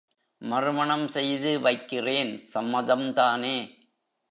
மறுமணம் செய்து வைக்கிறேன் சம்மதம் தானே?